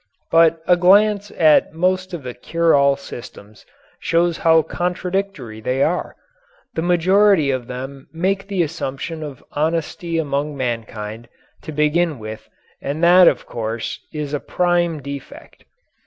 But a glance at most of the cure all systems shows how contradictory they are. The majority of them make the assumption of honesty among mankind, to begin with, and that, of course, is a prime defect.